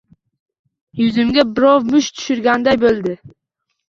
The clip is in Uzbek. Yuzimga birov musht tushirganday bo‘ldi